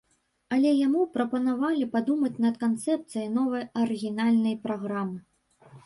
Але яму прапанавалі падумаць над канцэпцыяй новай арыгінальнай праграмы.